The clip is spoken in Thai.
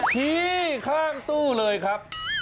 ที่ข้างตู้เลยครับ